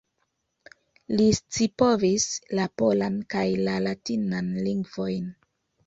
Li scipovis la polan kaj la latinan lingvojn.